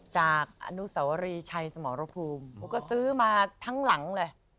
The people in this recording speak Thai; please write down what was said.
ใช่สมรภูมิก็ซื้อมาทั้งหลังเลย